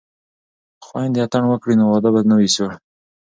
که خویندې اتڼ وکړي نو واده به نه وي سوړ.